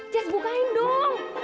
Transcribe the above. jess bukain dong